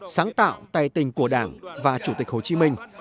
sáng tạo tài tình của đảng và chủ tịch hồ chí minh